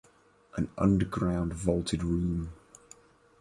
An underground vaulted room.